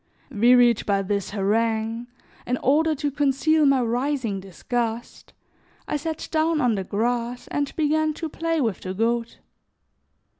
Wearied by this harangue, in order to conceal my rising disgust, I sat down on the grass and began to play with the goat.